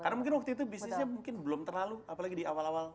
karena mungkin waktu itu bisnisnya belum terlalu apalagi di awal awal